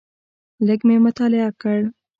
لږ مې مطالعه کړ.